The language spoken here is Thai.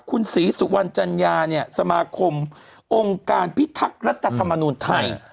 คุณศรีสุวรรณจัญญาเนี่ยสมาคมองค์การพิทักษ์รัฐธรรมนูญไทย